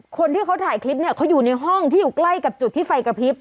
คนที่เขาถ่ายคลิปเนี่ยเขาอยู่ในห้องที่อยู่ใกล้กับจุดที่ไฟกระพริบ